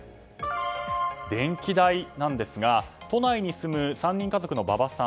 電気代なんですが都内に住む３人家族の馬場さん。